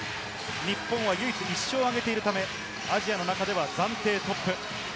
日本は唯一１勝を挙げているため、アジアの中では暫定トップ。